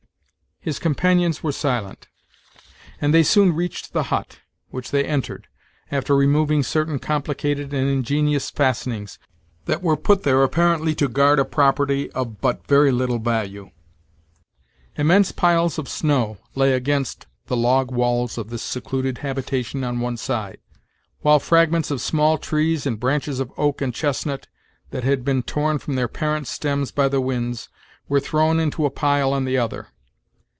His companions were silent; and they soon reached the hut, which they entered, after removing certain complicated and ingenious fastenings, that were put there apparently to guard a property of but very little value. Immense piles of snow lay against the log walls of this secluded habitation on one side; while fragments of small trees, and branches of oak and chestnut, that had been torn from their parent stems by the winds, were thrown into a pile on the other.